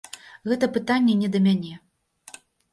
Гэта пытанне не да мяне.